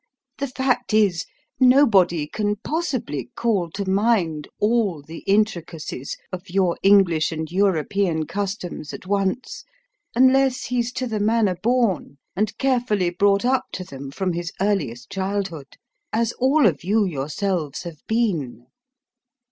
The fact is, nobody can possibly call to mind all the intricacies of your English and European customs at once, unless he's to the manner born, and carefully brought up to them from his earliest childhood, as all of you yourselves have been.